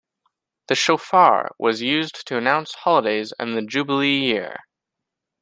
The shofar was used to announce holidays and the Jubilee year.